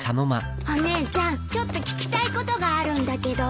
お姉ちゃんちょっと聞きたいことがあるんだけど。